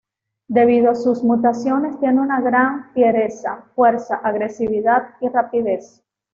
Debido a sus mutaciones tiene una gran fiereza, fuerza, agresividad y rapidez.